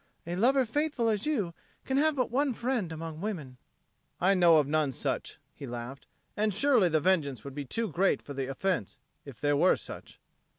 A lover faithful as you can have but one friend among women." "I know of none such," he laughed. "And surely the vengeance would be too great for the offence, if there were such."